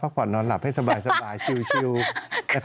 ก่อนนอนหลับให้สบายชิว